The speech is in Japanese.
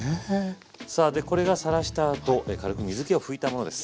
さあでこれがさらしたあと軽く水けを拭いたものです。